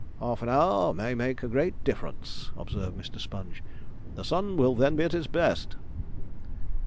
'Half an hour may make a great difference,' observed Mr. Sponge. 'The sun will then be at its best.'